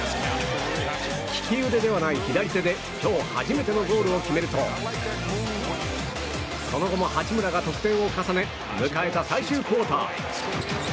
利き腕ではない左手で今日初めてのゴールを決めるとその後も八村が得点を重ね迎えた最終クオーター。